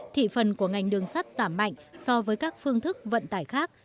thị phần của ngành đường sắt giảm mạnh so với các phương thức vận tải khác